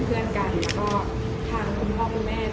อ้อเป็นคนกลับบ้านแล้ว